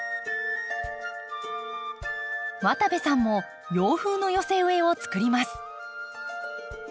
渡部さんも洋風の寄せ植えを作ります。